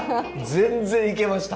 全然いけました。